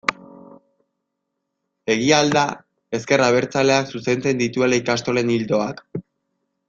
Egia al da ezker abertzaleak zuzentzen dituela ikastolen ildoak?